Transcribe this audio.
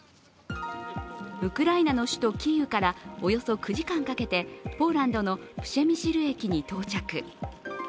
ウクライナの首都キーウからおよそ９時間かけてポーランドのプシェミシル駅に到着。